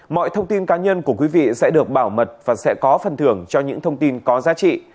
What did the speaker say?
mọi thông tin cá nhân của quý vị sẽ được bảo mật và sẽ có phần thưởng cho những thông tin có giá trị